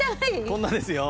こんなですよ。